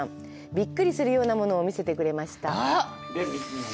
びっくりするようなものを見せてくれました。